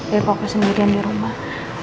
tapi papa sendirian di rumah